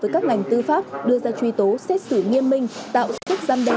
với các ngành tư pháp đưa ra truy tố xét xử nghiêm minh tạo sức gian đe